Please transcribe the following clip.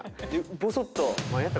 ぼそっと。